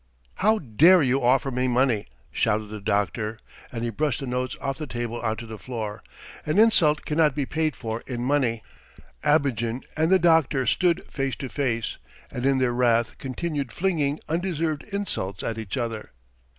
"How dare you offer me money?" shouted the doctor and he brushed the notes off the table on to the floor. "An insult cannot be paid for in money!" Abogin and the doctor stood face to face, and in their wrath continued flinging undeserved insults at each other.